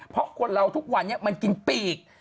เพราะคนเราทุกวันนี้มันกินปีก